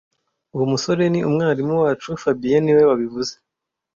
Uwo musore ni umwarimu wacu fabien niwe wabivuze